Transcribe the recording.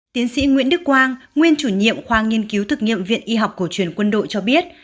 tiến sĩ nguyễn đức quang nguyên chủ nhiệm khoa nghiên cứu thực nghiệm viện y học cổ truyền quân đội cho biết